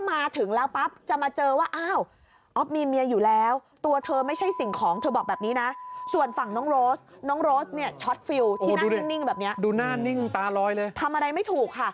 น้องโรสนี่ช็อตฟิวที่นั่งนิ่งแบบเนี้ยดูหน้านิ่งตาลอยเลยทำอะไรไม่ถูกค่ะ